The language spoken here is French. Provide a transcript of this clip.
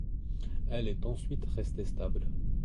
Elle est ensuite restée stable.